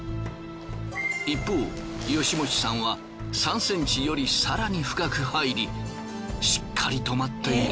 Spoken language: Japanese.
一方吉用さんは３センチより更に深く入りしっかり止まっている。